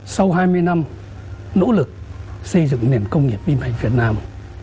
sau hai mươi năm nỗ lực xây dựng nền công nghiệp vi mạch việt nam